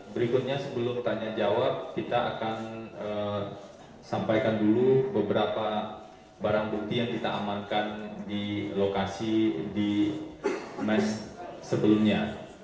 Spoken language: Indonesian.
berikutnya sebelum tanya jawab kita akan sampaikan dulu beberapa barang bukti yang kita amankan di lokasi di mes sebelumnya